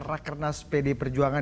rakernas pd perjuangan